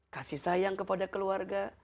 kasih sayang kepada keluarga